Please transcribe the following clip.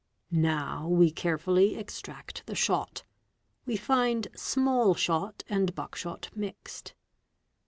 Now we carefully extract the shot, we find small shot and buck shot mixed.